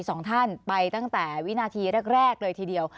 สองท่านไปตั้งแต่วินาทีแรกเลยทีเดียว